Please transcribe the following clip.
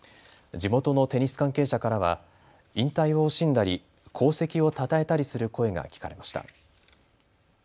地元のテニス関係者からは引退を惜しんだり功績をたたえたりする声が聞かれました。